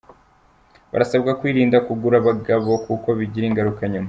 Barasabwa kwirinda kugura abagabo kuko bigira ingaruka nyuma